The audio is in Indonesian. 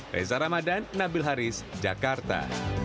reza ramadan nabil haris jakarta